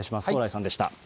蓬莱さんでした。